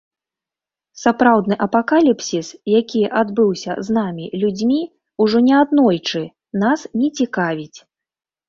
Сапраўдны апакаліпсіс, які адбыўся з намі, людзьмі, ужо не аднойчы, нас не цікавіць.